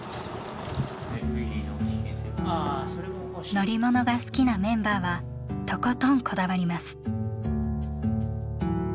乗り物が好きなメンバーはとことんこだわります。